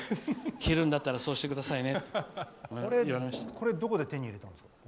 着るんだったらそうしてくださいね。